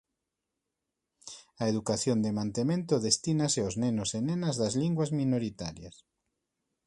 A educación de mantemento destínase aos nenos e nenas das linguas minoritarias.